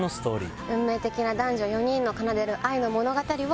運命的な男女４人の奏でる愛の物語を。